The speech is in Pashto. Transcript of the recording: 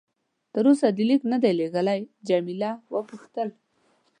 تر اوسه دې لیک نه دی ورلېږلی؟ جميله وپوښتل.